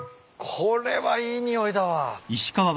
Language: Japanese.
これはいい匂いだわ。